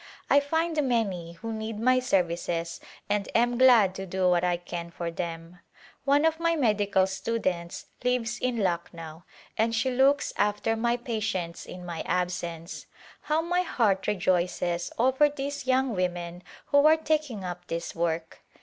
I find many who need my services and am glad to do what I can for them. One of my medical students lives in Luck now and she looks after my patients in my absence. How my heart rejoices over these young women who are taking up this work